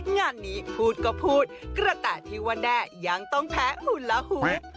งานนี้พูดก็พูดกระแต่ที่ว่าแด้ยังต้องแพ้หุ่นละหู